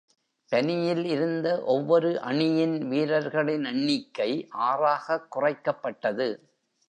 பனியில் இருந்த ஒவ்வொரு அணியின் வீரர்களின் எண்ணிக்கை ஆறாகக் குறைக்கப்பட்டது.